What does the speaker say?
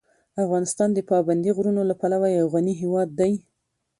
افغانستان د پابندي غرونو له پلوه یو غني هېواد دی.